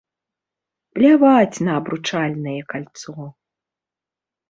Пляваць на абручальнае кальцо!